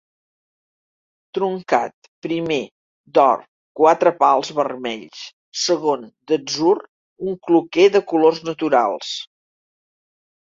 Truncat; primer, d'or, quatre pals vermells; segon, d'atzur, un cloquer de colors naturals.